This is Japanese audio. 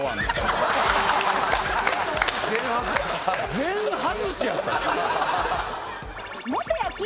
全外しやった。